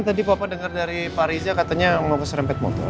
tadi bapak dengar dari pak riza katanya mau keserempet motor